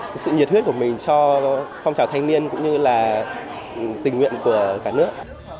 cái sự nhiệt huyết của mình cho phong trào thanh niên cũng như là tình nguyện của cả nước